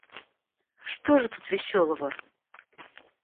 Что же тут веселого?